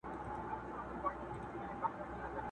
دا کیسه ده زموږ د کور او زموږ د کلي٫